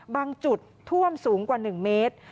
บางจุดท่วมสูงกว่า๑เมตร